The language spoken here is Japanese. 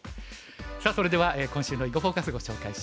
さあそれでは今週の「囲碁フォーカス」ご紹介します。